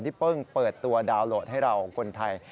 เพิ่งเปิดตัวดาวน์โหลดให้เราคนไทย